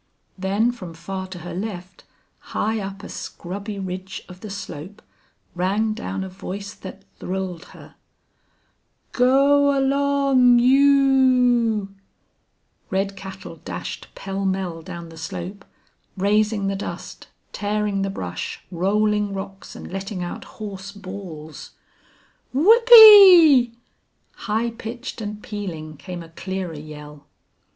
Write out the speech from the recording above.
Then from far to her left, high up a scrubby ridge of the slope, rang down a voice that thrilled her: "Go aloong you ooooo." Red cattle dashed pell mell down the slope, raising the dust, tearing the brush, rolling rocks, and letting out hoarse bawls. "Whoop ee!" High pitched and pealing came a clearer yell.